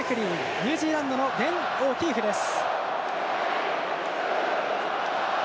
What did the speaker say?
ニュージーランドのベン・オキーフです。